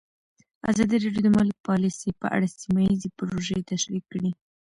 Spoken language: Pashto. ازادي راډیو د مالي پالیسي په اړه سیمه ییزې پروژې تشریح کړې.